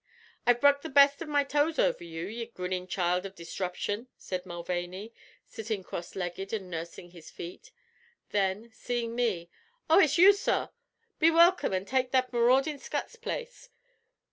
"I've bruk the best av my toes over you, ye grinnin' child av disruption!" said Mulvaney, sitting cross legged and nursing his feet; then, seeing me: "Oh, ut's you, sorr! Be welkim, an' take that maraudin' scut's place.